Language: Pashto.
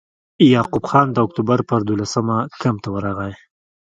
یعقوب خان د اکټوبر پر دولسمه کمپ ته ورغی.